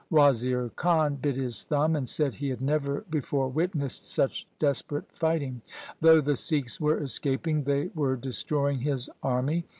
Wazir Khan bit his thumb, and said he had never before witnessed such des perate fighting. Though the Sikhs were escaping, they were destroying his army.